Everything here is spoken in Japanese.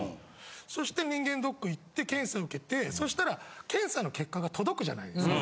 そして人間ドック行って検査受けてそしたら検査の結果が届くじゃないですか。